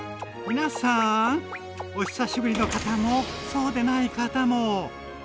皆さん！お久しぶりの方もそうでない方も。